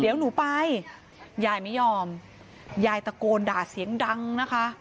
เดี๋ยวหนูไปยายไม่ยอมยายตะโกนด่าเสียงดังนะคะ